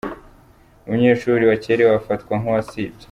Umunyeshuri wakererewe afatwa nk'uwasibye.